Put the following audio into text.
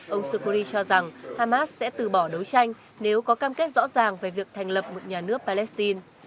ông sokori cho rằng hamas sẽ từ bỏ đấu tranh nếu có cam kết rõ ràng về việc thành lập một nhà nước palestine